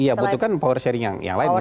iya butuhkan power sharing yang lain